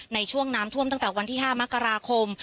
ในช่วงน้ำท่วมตั้งแต่วันที่๕มกราคม